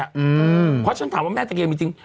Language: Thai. เพราะฉันถามว่าแม่ตะเคียนมีจริง